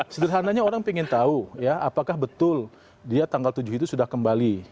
sederhananya orang ingin tahu ya apakah betul dia tanggal tujuh itu sudah kembali